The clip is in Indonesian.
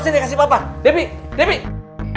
sini kasih papa debbie debbie